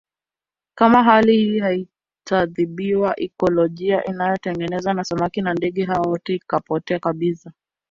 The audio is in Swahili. Kama hali hii haitadhibitiwa ikolojia inayotengenezwa na samaki na ndege hawa yote itapotea kabisa